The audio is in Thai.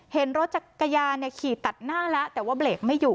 เห็นรถจักรยานขี่ตัดหน้าแล้วแต่ว่าเบรกไม่อยู่